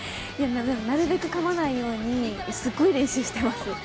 なるべくかまないようにすごい練習してます。